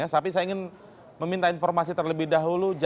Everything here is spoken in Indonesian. tapi saya ingin meminta informasi terlebih dahulu